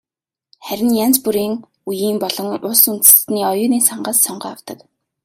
Харин янз бүрийн үеийн болон улс үндэстний оюуны сангаас сонгон авдаг.